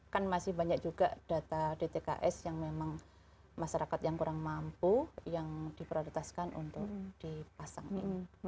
kan masih banyak juga data dtks yang memang masyarakat yang kurang mampu yang diprioritaskan untuk dipasang ini